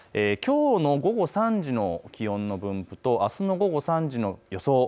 きょうの午後３時の気温の分布とあすの午後３時の予想